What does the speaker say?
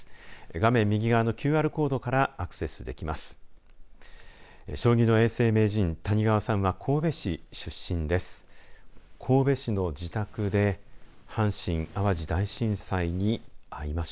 画面右側のＱＲコードからアクセスできます。